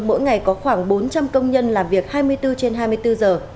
mỗi ngày có khoảng bốn trăm linh công nhân làm việc hai mươi bốn trên hai mươi bốn giờ